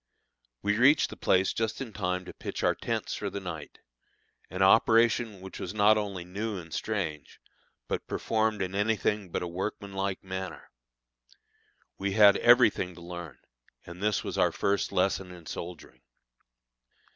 We reached the place just in time to pitch our tents for the night an operation which was not only new and strange, but performed in any thing but a workman like manner. We had every thing to learn, and this was our first lesson in soldiering.